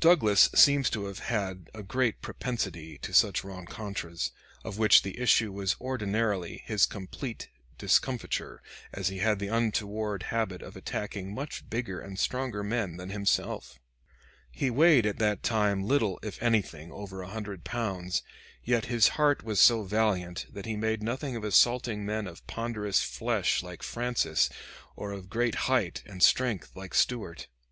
Douglas seems to have had a great propensity to such rencontres, of which the issue was ordinarily his complete discomfiture, as he had the untoward habit of attacking much bigger and stronger men than himself. He weighed at that time little, if anything, over a hundred pounds, yet his heart was so valiant that he made nothing of assaulting men of ponderous flesh like Francis, or of great height and strength like Stuart.